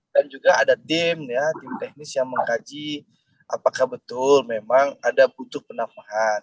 dan juga ada tim ya tim teknis yang mengkaji apakah betul memang ada butuh penambahan